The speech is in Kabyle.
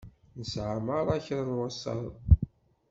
Nesεa merra kra n wasaḍ.